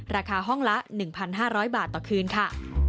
ราคาห้องละ๑๕๐๐บาทต่อคืนค่ะ